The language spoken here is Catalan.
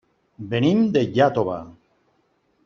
Venim de Iàtova.